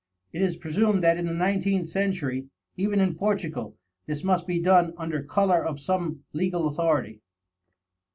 It is presumed that in the nineteenth century, even in Portugal, this must be done under color of some legal authority.